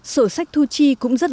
sổ sách thu chi cũng giá trị